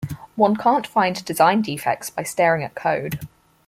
One can't find design defects by staring at code.